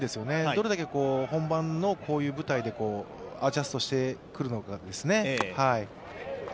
どれだけ本番のこういう舞台でアジャストしてくるのかですね。